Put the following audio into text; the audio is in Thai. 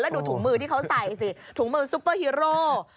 ดูถุงมือที่เขาใส่สิถุงมือซุปเปอร์ฮีโร่